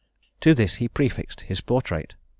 To this he prefixed his portrait.